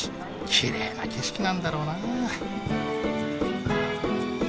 きれいな景色なんだろうなあ。